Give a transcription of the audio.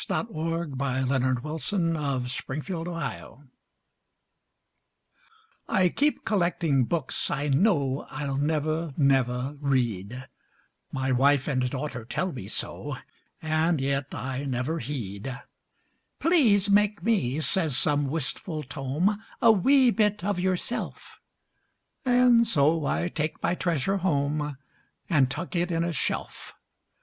Previous Book LoverbyRobert Service Next I keep collecting books I know I'll never, never read; My wife and daughter tell me so, And yet I never heed. "Please make me," says some wistful tome, "A wee bit of yourself." And so I take my treasure home, And tuck it in a shelf.